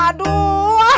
masih belum lacer